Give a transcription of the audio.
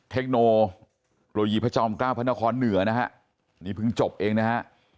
เทคโนโลยีพระเจ้าอำก้าวพนธคอนเหนือนะฮะนี่เพิ่งจบเองนะฮะ